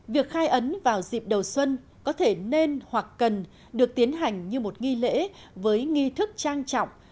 việc khai ấn vào dịp đầu xuân có thể nên hoặc cần được tiến hành như một nghi lễ với nghi thức trang trọng